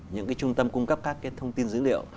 những trung tâm cung cấp các thông tin dữ liệu